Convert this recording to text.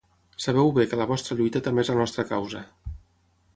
Sabeu bé que la vostra lluita també és la nostra causa.